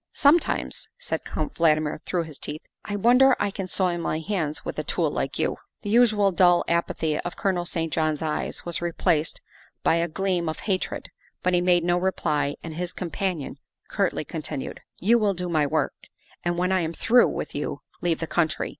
'' Sometimes, '' said Count Valdmir through his teeth, '' I wonder I can soil my hands with a tool like you. '' The usual dull apathy of Colonel St. John's eyes was replaced by a gleam of hatred, but he made no reply and his companion curtly continued: " You will do my work, and when I am through with you leave the country.